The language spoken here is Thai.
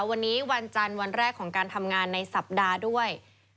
วันนี้วันจันทร์วันแรกของการทำงานในสัปดาห์ด้วย